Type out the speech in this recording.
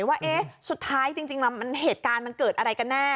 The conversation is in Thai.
ว่าสุดท้ายจริงแล้วเหตุการณ์มันเกิดอะไรกันแน่